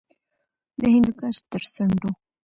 د هندوکش تر څنډو